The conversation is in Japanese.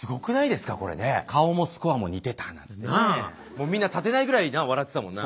もうみんな立てないぐらいな笑ってたもんな。